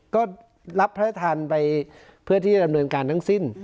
ก็รับพระราชทานไปเพื่อที่จะดำเนินการทั้งสิ้น